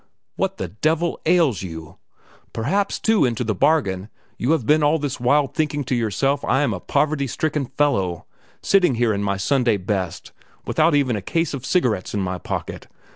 What the devil ails you? Perhaps, too, into the bargain, you have been all this while thinking to yourself I am a poverty stricken fellow, sitting here in my Sunday best without even a case full of cigarettes in my pocket.